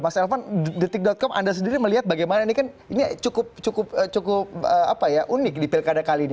mas elvan detik com anda sendiri melihat bagaimana ini kan ini cukup unik di pilkada kali ini